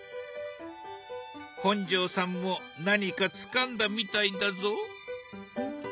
本上さんも何かつかんだみたいだぞ。